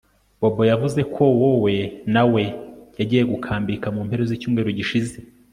Bobo yavuze ko wowe na we yagiye gukambika mu mpera zicyumweru gishize